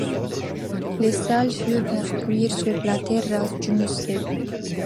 Les salles furent construites sur la terrasse du musée.